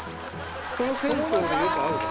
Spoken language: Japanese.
この銭湯でよく会うの？